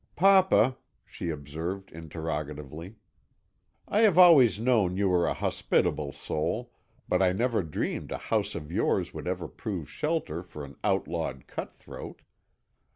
"Papa," she observed interrogatively, "I have always known you were a hospitable soul, but I never dreamed a house of yours would ever prove shelter for an outlawed cutthroat.